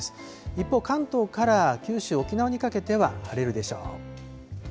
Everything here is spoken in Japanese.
一方、関東から九州、沖縄にかけては晴れるでしょう。